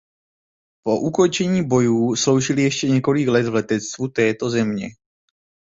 Po ukončení bojů sloužily ještě několik let v letectvu této země.